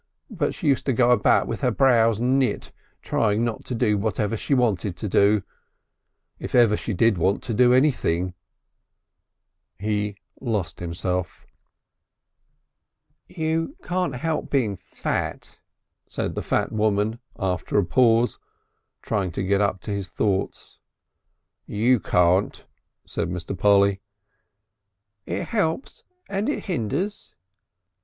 But she used to go about with her brows knit trying not to do whatever she wanted to do if ever she did want to do anything " He lost himself. "You can't help being fat," said the fat woman after a pause, trying to get up to his thoughts. "You can't," said Mr. Polly. "It helps and it hinders."